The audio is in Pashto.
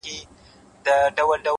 خپل وخت د مهمو کارونو لپاره وساتئ,